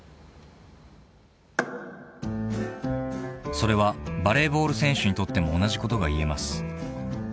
［それはバレーボール選手にとっても同じことが言えます］